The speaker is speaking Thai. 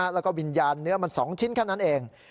แล้วก็วิญญาณเนื้อมัน๒ชิ้นแค่นั้นเอง